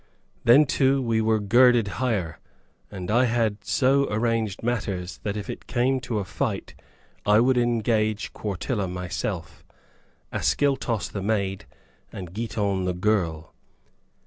Then, too, we were girded higher, and I had so arranged matters that if it came to a fight, I would engage Quartilla myself, Ascyltos the maid, and Giton the girl.